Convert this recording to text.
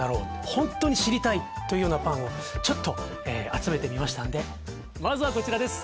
ホントに知りたいというようなパンをちょっと集めてみましたんでまずはこちらです